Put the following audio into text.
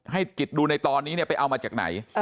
กิจดูในตอนนี้เนี่ยไปเอามาจากไหน